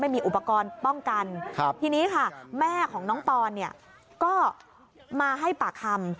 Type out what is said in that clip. ไม่มีอุปกรณ์ป้องกันทีนี้ค่ะแม่ของน้องปอนเนี่ยก็มาให้ปากคำ